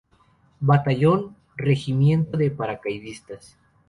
Batallón, Regimiento de Paracaidistas.